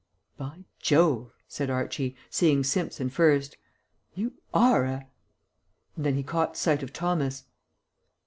"By Jove!" said Archie, seeing Simpson first, "you are a " and then he caught sight of Thomas.